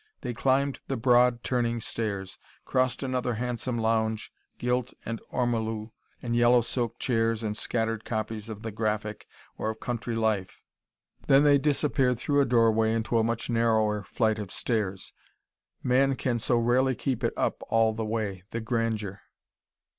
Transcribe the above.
They climbed the broad, turning stairs, crossed another handsome lounge, gilt and ormolu and yellow silk chairs and scattered copies of The Graphic or of Country Life, then they disappeared through a doorway into a much narrower flight of stairs. Man can so rarely keep it up all the way, the grandeur.